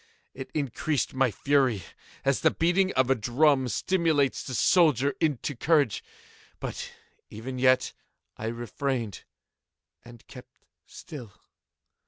It increased my fury, as the beating of a drum stimulates the soldier into courage. But even yet I refrained and kept still.